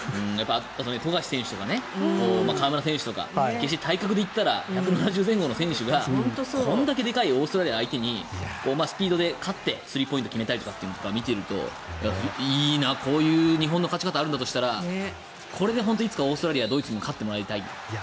富樫選手とか河村選手とか決して、体格で言ったら１７０前後の選手がこれだけでかいオーストラリアを相手にスピードで勝ってスリーポイントを決めたりとかというのを見ているといいな、こういう日本の勝ち方あるんだとしたらこれでいつかオーストラリアやドイツに勝ってもらいたい。